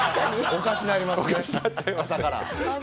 おかしなりますね、朝から。